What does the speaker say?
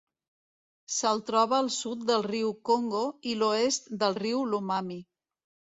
Se'l troba al sud del riu Congo i l'oest del riu Lomami.